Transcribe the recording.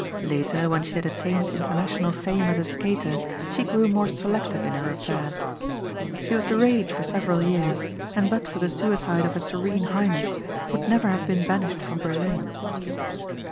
Later, when she had attained international fame as a skater she grew more selective in her affairs. She was the rage for several years and but for the suicide of a Serene Highness would never have been banished from Berlin.